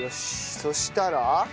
そしたら。